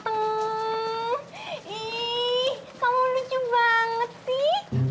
tuh kamu lucu banget sih